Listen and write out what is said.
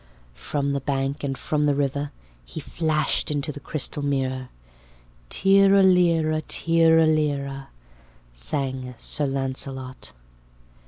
From the bank, and from the river, He flashed into the crystal mirror, "Tirra lirra, tirra lirra," Sang Sir Launcelot.